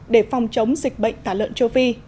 để phòng chống dịch bệnh tả lợn châu phi